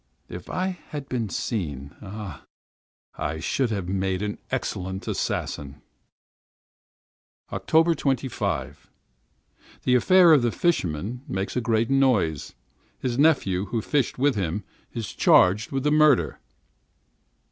If I had been seen! Ah! ah! I should have made an excellent assassin. 25th October. The affair of the fisherman makes a great stir. His nephew, who fished with him, is charged with the murder.